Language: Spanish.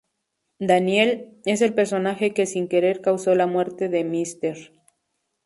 Daniel: Es el personaje que sin querer causó la muerte de Mr.